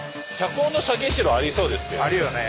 あるよね。